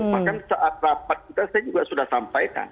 bahkan saat rapat kita saya juga sudah sampaikan